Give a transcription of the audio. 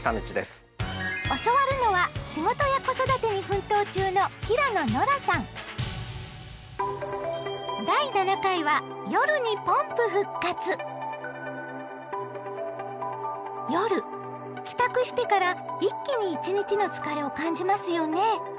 教わるのは仕事や子育てに奮闘中の夜帰宅してから一気に一日の疲れを感じますよね。